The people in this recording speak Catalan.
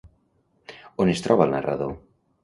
On es troba el narrador?